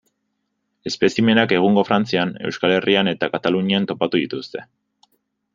Espezimenak egungo Frantzian, Euskal Herrian eta Katalunian topatu dituzte.